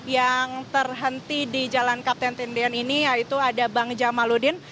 yang terhenti di jalan kapten tindian ini yaitu ada bang jamaludin